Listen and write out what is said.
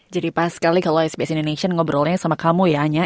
jadi pas sekali kalau sbs indonesia ngobrolnya sama kamu ya anja